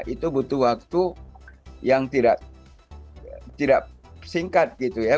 itu butuh waktu yang tidak singkat gitu ya